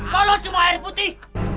kalau cuma air putih